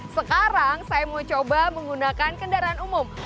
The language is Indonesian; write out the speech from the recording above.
sekarang saya mau coba menggunakan kendaraan umum